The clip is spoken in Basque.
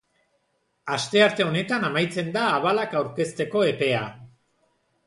Astearte honetan amaitzen da abalak aurkezteko epea.